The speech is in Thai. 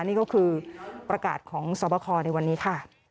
นี่ก็คือประกาศของสวบคในวันนี้ค่ะ